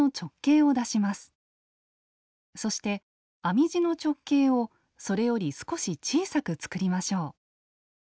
そして編み地の直径をそれより少し小さく作りましょう。